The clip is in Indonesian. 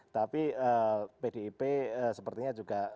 tapi pdip sepertinya juga